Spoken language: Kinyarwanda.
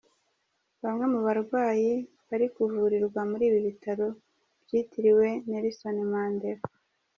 Bamwe mu barwayi bari kuvurirwa muri ibi bitaro byitiriwe Nelson Mandela.